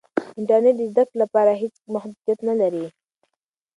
انټرنیټ د زده کړې لپاره هېڅ محدودیت نه لري.